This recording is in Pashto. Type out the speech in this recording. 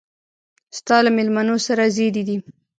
ستا له مېلمنو سره زېري دي.